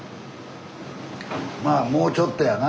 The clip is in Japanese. まあもうちょっとやな。